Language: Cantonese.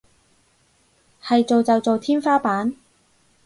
係做就做天花板